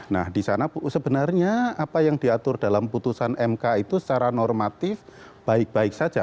nah di sana sebenarnya apa yang diatur dalam putusan mk itu secara normatif baik baik saja